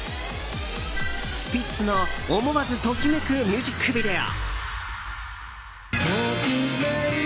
スピッツの思わずときめくミュージックビデオ。